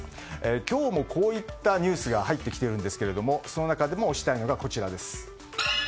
今日もこういったニュースが入ってきてるんですけどもその中でも推したいのがこちらです。